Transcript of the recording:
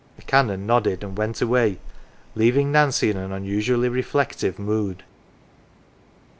The Canon nodded and went away, leaving Nancy in an unusually reflective mood.